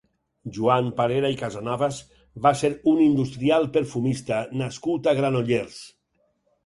Joan Parera i Casanovas va ser un industrial perfumista nascut a Granollers.